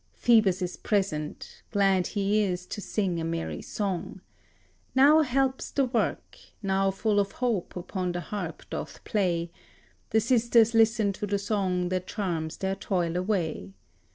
Phoebus is present: glad he is to sing a merry song; Now helps the work, now full of hope upon the harp doth play; The Sisters listen to the song that charms their toil away.